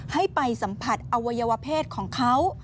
ให้ไปสัมผัสอวัยวะเพศของเขา